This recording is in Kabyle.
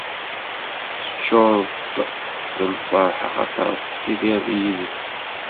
Teččureḍ-t d lferḥ axaṭer tettiliḍ yid-s.